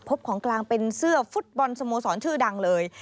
ของกลางเป็นเสื้อฟุตบอลสโมสรชื่อดังเลย